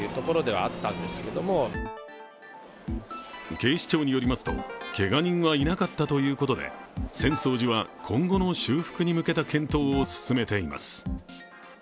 警視庁によりますと、けが人はいなかったということで、浅草寺は今後の修復に向けた検討を進めています。